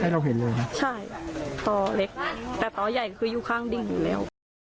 เราเห็นเลยนะใช่ปอเล็กแต่ต่อใหญ่คืออยู่ข้างดิ่งอยู่แล้ว